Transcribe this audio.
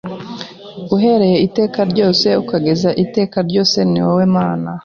uhereye iteka ryose, ukageza iteka ryose ni wowe Mana